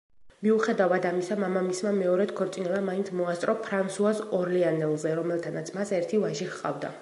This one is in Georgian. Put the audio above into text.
მიუხედავად ამისა, მამამისმა მეორედ ქორწინება მაინც მოასწრო ფრანსუაზ ორლეანელზე, რომელთანაც მას ერთი ვაჟი ჰყავდა.